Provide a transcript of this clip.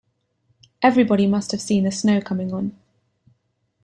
Everybody must have seen the snow coming on.